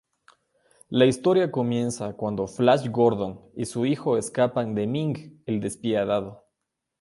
La historia comienza cuando Flash Gordon y su hijo escapan de Ming el Despiadado.